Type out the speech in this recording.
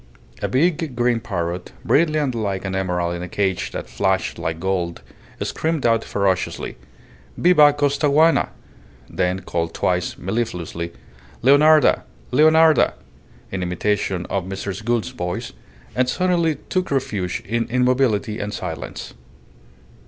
A big green parrot, brilliant like an emerald in a cage that flashed like gold, screamed out ferociously, "Viva Costaguana!" then called twice mellifluously, "Leonarda! Leonarda!" in imitation of Mrs. Gould's voice, and suddenly took refuge in immobility and silence.